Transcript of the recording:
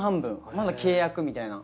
まだ契約みたいな。